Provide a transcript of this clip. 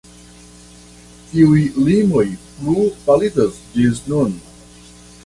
Tiuj limoj plu validas ĝis nun.